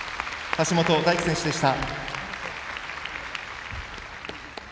橋本大輝選手でした。